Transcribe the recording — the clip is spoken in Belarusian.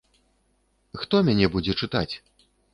Хто мяне будзе чытаць?